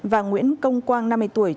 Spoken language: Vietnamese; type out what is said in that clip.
và nguyễn công quang năm mươi tuổi